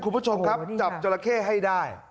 คุณผู้ชมครับจับจราเข้ให้ได้